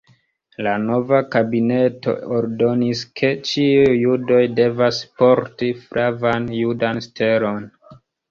La nova kabineto ordonis, ke ĉiuj judoj devas porti flavan judan stelon.